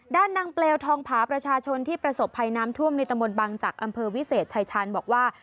ด้านนางเปลวทองผาประชาชนที่ประสบภัยน้ำท่วมในตำบลบังจักรอำเภอวิเศษชายชาญบอกว่า